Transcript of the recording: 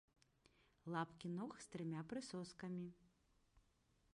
Лапкі ног з трыма прысоскамі.